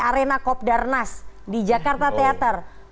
arena kopdarnas di jakarta teater